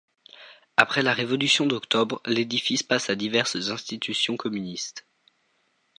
Après la révolution d'Octobre, l'édifice passe à diverses institutions communistes.